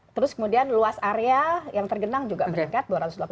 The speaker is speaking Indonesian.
terus kemudian luas area yang tergenang juga meningkat dua ratus delapan puluh